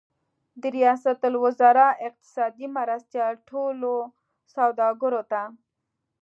د ریاست الوزار اقتصادي مرستیال ټولو سوداګرو ته